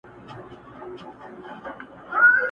د ازل تقسيم باغوان يم پيدا کړی!!